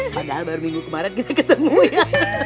padahal baru minggu kemarin kita ketemu ya